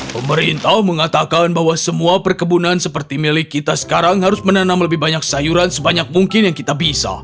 pemerintah mengatakan bahwa semua perkebunan seperti milik kita sekarang harus menanam lebih banyak sayuran sebanyak mungkin yang kita bisa